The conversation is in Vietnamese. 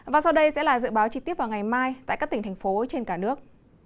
và sau đây sẽ là dự báo chi tiết vào ngày mai tại các tỉnh thành phố trên cả nước